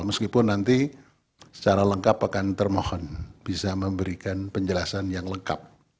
meskipun nanti secara lengkap akan termohon bisa memberikan penjelasan yang lengkap